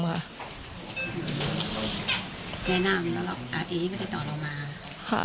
แนะนำแล้วหรออาทิตย์ก็ได้ต่อเรามา